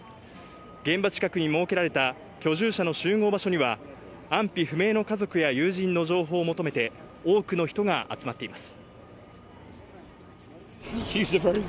現場近くに設けられた居住者の集合場所には安否不明の家族や友人の情報を求めて多くの人が集まっています。